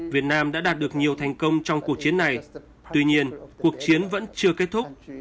việt nam đã đạt được nhiều thành công trong cuộc chiến này tuy nhiên cuộc chiến vẫn chưa kết thúc